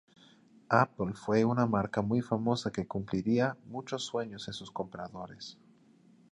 Apple fue una marca muy famosa que cumpliría muchos sueños de sus compradores.